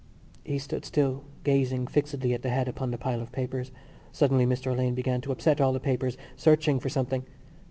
He stood still, gazing fixedly at the head upon the pile of papers. Suddenly Mr Alleyne began to upset all the papers, searching for something.